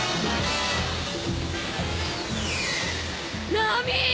ナミ！